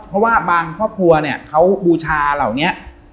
เพราะว่าบางครอบครัวเนี่ยเขาบูชาเหล่านี้